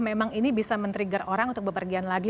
memang ini bisa men trigger orang untuk bepergian lagi